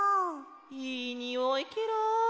いいにおいケロ！